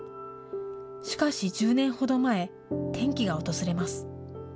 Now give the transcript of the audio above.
しかし１０年ほど前、転機が訪れます。